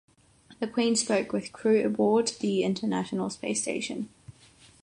The queen spoke with crew aboard the International Space Station.